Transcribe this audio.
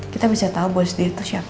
kita bisa tahu bos dia itu siapa